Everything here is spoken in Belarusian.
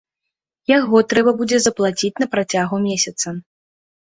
Яго трэба будзе заплаціць на працягу месяца.